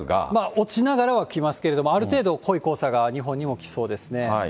落ちながらは来ますけれども、ある程度、濃い黄砂が日本にも来そうですね。